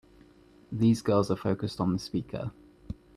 These girls are focused on the speaker.